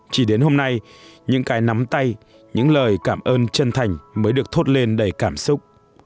chỉ đến hôm nay những cái nắm tay những lời cảm ơn chân thành mới được thốt lên đầy cảm xúc